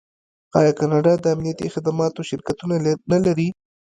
آیا کاناډا د امنیتي خدماتو شرکتونه نلري؟